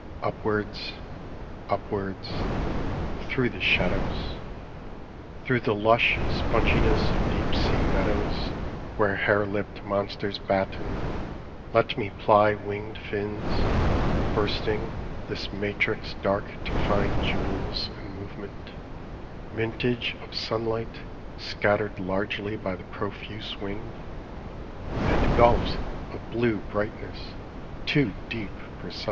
Upwards, upwards through the shadows, Through the lush sponginess of deep sea meadows Where hare lipped monsters batten, let me ply Winged fins, bursting this matrix dark to find Jewels and movement, mintage of sunlight Scattered largely by the profuse wind, And gulfs of blue brightness, too deep for sight.